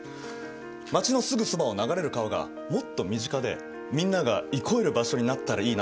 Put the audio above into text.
街のすぐそばを流れる川がもっと身近でみんなが憩える場所になったらいいなと思いました。